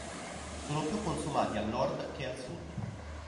Sono più consumati al nord che al sud.